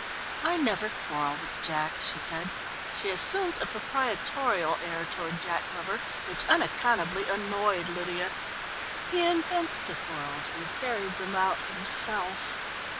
"I never quarrel with Jack," she said. She assumed a proprietorial air toward Jack Glover, which unaccountably annoyed Lydia. "He invents the quarrels and carries them out himself.